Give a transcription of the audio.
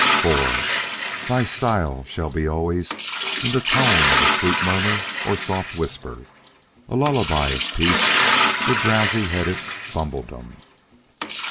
IV. Thy style shall be always in the tone of a sweet murmur or soft whisper; a lullaby of peace for drowsy headed Bumbledom.